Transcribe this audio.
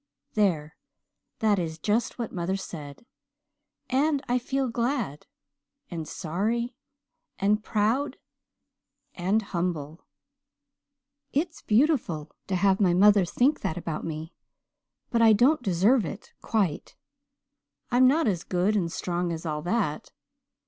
"There, that is just what mother said and I feel glad and sorry and proud and humble! It's beautiful to have my mother think that about me but I don't deserve it quite. I'm not as good and strong as all that.